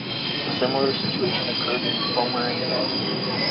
A similar situation occurred in Pomerania.